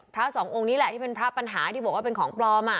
พระสององค์นี้แหละที่เป็นพระปัญหาที่บอกว่าเป็นของปลอม